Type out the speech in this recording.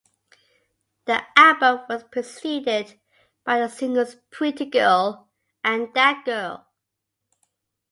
The album was preceded by the singles "Pretty Girl" and "That Girl".